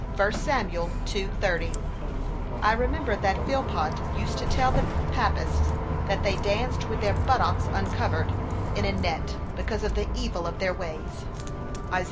(1 Sam. 2:30) I remember that Philpot used to tell the Papists that they danced with their buttocks uncovered, in a net, because of the evil of their ways; (Isa.